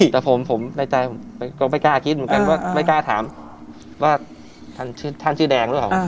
แต่ผมในใจผมก็ไม่กล้าคิดเหมือนกันว่าไม่กล้าถามว่าท่านชื่อแดงหรือเปล่า